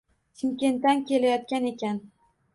Shimkentdan kelayotgan ekan